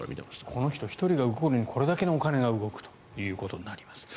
この人１人が動くのにこれだけのお金が動くことになります。